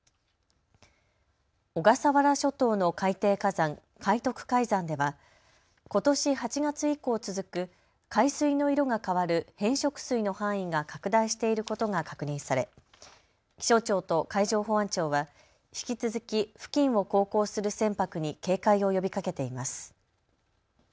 小笠原諸島の海底火山、海徳海山ではことし８月以降続く海水の色が変わる変色水の範囲が拡大していることが確認され気象庁と海上保安庁は引き続き付近を航行する船舶に警戒を呼びかけています。